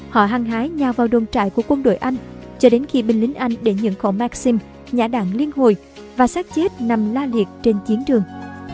họ hăng hái nhà vào đồn trại của quân đội anh cho đến khi binh lính anh để nhận khẩu maxim nhã đạn liên hồi và sát chết nằm la liệt trên chiến trường